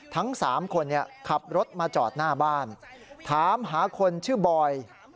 ทั้ง๓คนขับรถมาจอดหน้าบ้านถามหาคนชื่อบอย